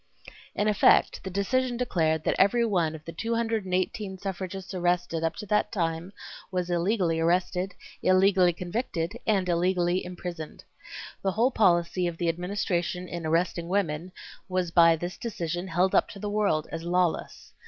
In effect the decision declared that every one of the 218 suffragists arrested up to that time was illegally arrested, illegally convicted, and illegally imprisoned. The whole policy of the Administration in arresting women was by this decision held up to the world as lawless.